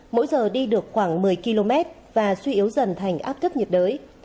mỗi giờ đi được khoảng một mươi km và suy yếu dần thành áp thấp nhiệt đới